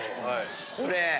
これ。